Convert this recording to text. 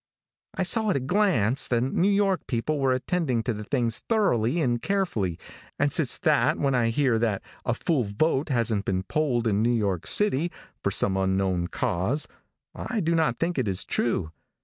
"I saw at a glance that New York people were attending to these things thoroughly and carefully, and since that when I hear that 'a full vote hasn't been polled in New York city' for some unknown cause, I do not think it is true.